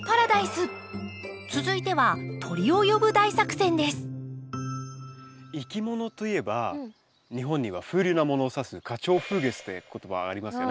続いてはいきものといえば日本には風流なものを指す「花鳥風月」という言葉がありますよね。